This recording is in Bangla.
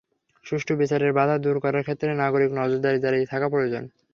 সুষ্ঠু বিচারের বাধা দূর করার ক্ষেত্রে নাগরিক নজরদারি জারি থাকা প্রয়োজন।